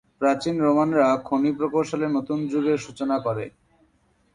প্রাচীন রোমানরা খনি প্রকৌশলে নতুন যুগের সূচনা করে।